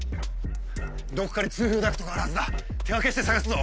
どこかに通風ダクトがあるはずだ手分けして探すぞ！